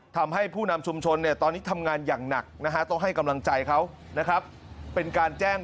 ทำให้ผู้นำชุมชนตอนนี้ทำงานอย่างหนัก